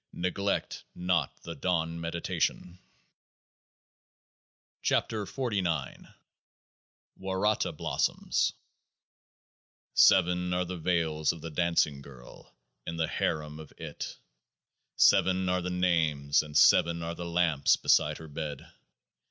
Neglect not the dawn meditation ! 62 KEOAAH M0 WARATAH BLOSSOMS Seven are the veils of the dancing girl in the harem of IT. Seven are the names, and seven are the lamps beside Her bed.